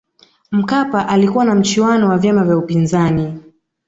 mkapa alikuwa na mchuano wa vyama vya upinzani